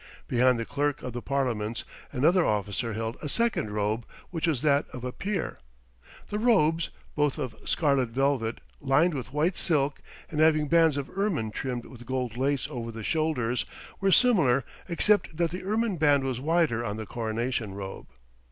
Behind the Clerk of the Parliaments another officer held a second robe, which was that of a peer. The robes, both of scarlet velvet, lined with white silk, and having bands of ermine trimmed with gold lace over the shoulders, were similar, except that the ermine band was wider on the coronation robe.